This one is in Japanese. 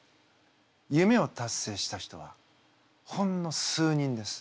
夢を達成した人はほんの数人です。